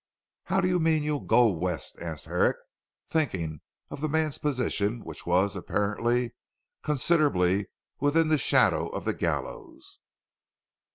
"How do you mean you'll go west?" asked Herrick thinking of the man's position which was apparently considerably within the shadow of the gallows.